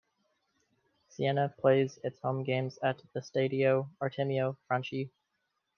Siena plays its home games at the Stadio Artemio Franchi.